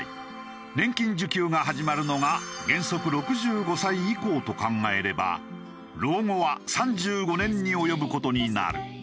年金受給が始まるのが原則６５歳以降と考えれば老後は３５年に及ぶ事になる。